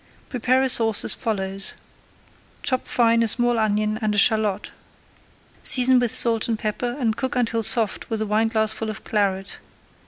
Prepare a sauce as follows: Chop fine a small onion and a shallot. Season with salt and pepper, and cook until soft with a wineglassful of Claret.